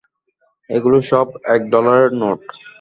এগুলো সব এক ডলারের নোট।